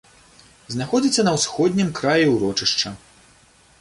Знаходзіцца на ўсходнім краі ўрочышча.